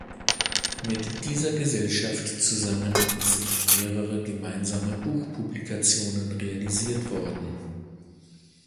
Mit dieser Gesellschaft zusammen sind mehrere gemeinsame Buch-Publikationen realisiert worden.